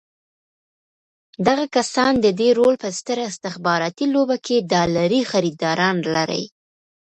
دغه کسان د دې رول په ستره استخباراتي لوبه کې ډالري خریداران لري.